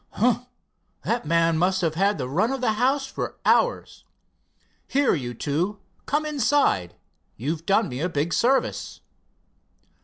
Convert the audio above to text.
Hump! the man must have had the run of the house for hours. Here, you two, come inside. You've done me a big service."